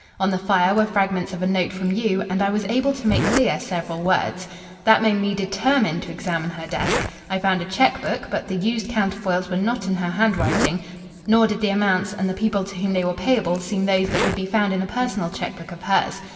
On the fire were fragments of a note from you, and I was able to make clear several words. "That made me determined to examine her desk. I found a cheque book, but the used counterfoils were not in her handwriting, nor did the amounts and the people to whom they were payable seem those that would be found in a personal cheque book of hers.